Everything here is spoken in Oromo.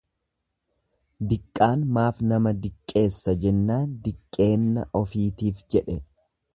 Diqqaan maaf nama diqqeessa jennaan diqqeenna ufiitiif jedhe.